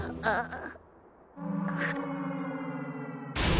ああ。